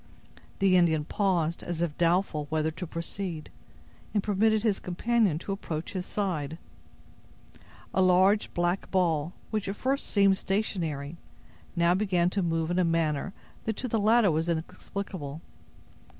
The Indian paused, as if doubtful whether to proceed, and permitted his companion to approach his side. A large black ball, which at first seemed stationary, now began to move in a manner that to the latter was inexplicable.